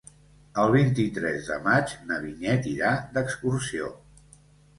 El vint-i-tres de maig na Vinyet irà d'excursió.